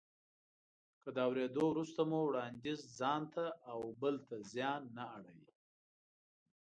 که د اورېدو وروسته مو وړانديز ځانته او بل ته زیان نه اړوي.